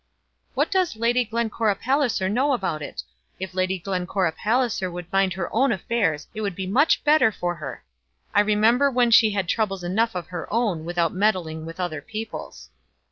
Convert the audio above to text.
"What does Lady Glencora Palliser know about it? If Lady Glencora Palliser would mind her own affairs it would be much better for her. I remember when she had troubles enough of her own, without meddling with other people's."